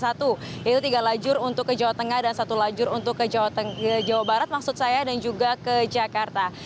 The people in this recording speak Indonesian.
yaitu tiga lajur untuk ke jawa tengah dan satu lajur untuk ke jawa barat maksud saya dan juga ke jakarta